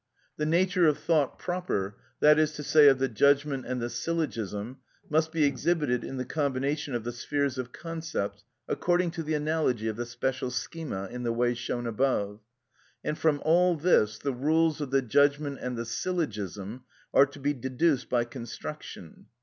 The nature of thought proper, that is to say, of the judgment and the syllogism, must be exhibited in the combination of the spheres of concepts, according to the analogy of the special schema, in the way shown above; and from all this the rules of the judgment and the syllogism are to be deduced by construction.